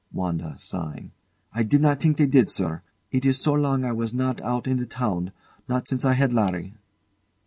WANDA. I did not think they did, sir. It is so long I was not out in the town; not since I had Larry.